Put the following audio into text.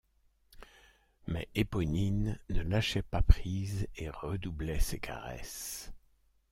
Mais Éponine ne lâchait pas prise et redoublait ses caresses.